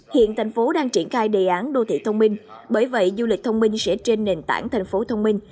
hiện thành phố đang triển khai đề án đô thị thông minh bởi vậy du lịch thông minh sẽ trên nền tảng thành phố thông minh